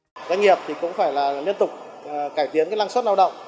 các doanh nghiệp cũng phải liên tục cải tiến lăng suất lao động